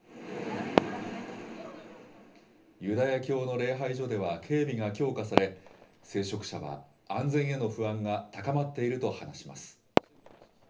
ユダヤ教の礼拝所では警備が強化され、聖職者は安全への不安が高まっていると話します。